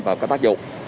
và có tác dụng